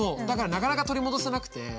だからなかなか取り戻せなくて。